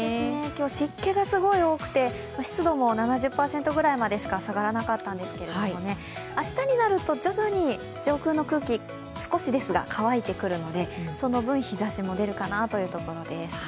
今日、湿気がすごい多くて、湿度も７０％ぐらいまでしか下がらなかったんですけど、明日になると、徐々に上空の空気、少しですが乾いてくるのでその分、日ざしも出るかなというところです。